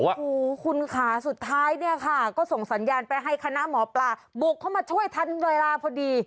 โอ้โหคุณค่ะสุดท้ายเนี่ยค่ะก็ส่งสัญญาณไปให้คณะหมอปลาบุกเข้ามาช่วยทันเวลาพอดี